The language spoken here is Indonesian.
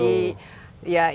banyak tambahan betul